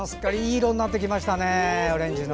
いい色になってきましたね。